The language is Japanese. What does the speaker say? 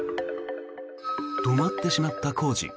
止まってしまった工事。